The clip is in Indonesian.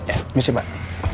ya mesti pak